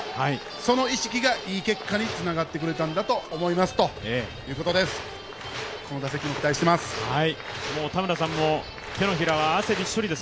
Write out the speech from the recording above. その意識がいい結果につながってくれたんだと思いますということです。